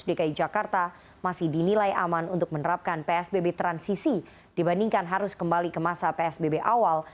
dki jakarta masih dinilai aman untuk menerapkan psbb transisi dibandingkan harus kembali ke masa psbb awal